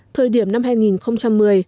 thời điểm năm hai nghìn một mươi